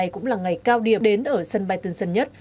cũng là ngày cao điểm đến ở sân bay tân sân nhất